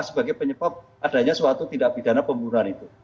sebagai penyebab adanya suatu tindak pidana pembunuhan itu